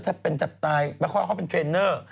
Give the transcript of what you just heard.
ถ้าเป็นจับตายไปข้อเขาเป็นเทรนเนอร์